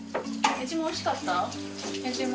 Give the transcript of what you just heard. ・おいしかった。